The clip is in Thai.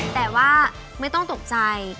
แต่ว่าไม่ต้องตกใจ